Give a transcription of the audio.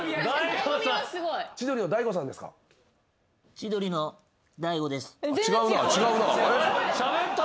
「千鳥の大悟です」